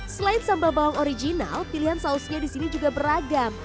selain sambal bawang original pilihan sausnya disini juga beragam